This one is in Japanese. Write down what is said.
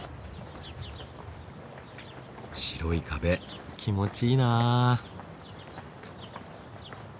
白い壁気持ちいいな。